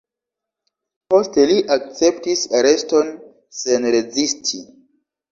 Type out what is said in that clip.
Poste li akceptis areston sen rezisti.